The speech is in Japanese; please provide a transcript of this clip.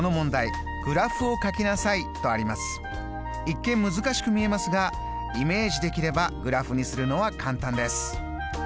一見難しく見えますがイメージできればグラフにするのは簡単です。